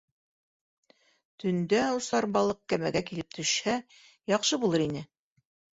Төндә осар балыҡ кәмәгә килеп төшһә, яҡшы булыр ине.